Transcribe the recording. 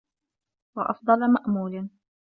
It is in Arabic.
وَأَفْضَلَ مَأْمُولٍ